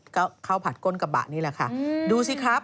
อ๋อค่ะเข้าผัดก้นกับบะนี่แหละค่ะดูสิครับ